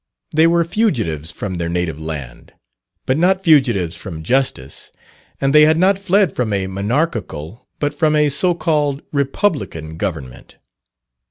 They were fugitives from their native land, but not fugitives from justice, and they had not fled from a monarchical, but from a so called republican government.